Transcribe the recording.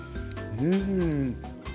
うん。